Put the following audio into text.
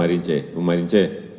ibu marin c